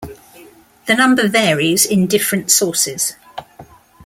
The number varies in different sources.